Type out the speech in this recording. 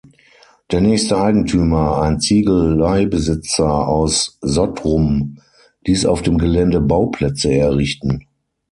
Der nächste Eigentümer, ein Ziegeleibesitzer aus Sottrum, ließ auf dem Gelände Bauplätze errichten.